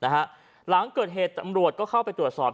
หลังเกิดเหตุตำรวจก็เข้าไปตรวจสอบ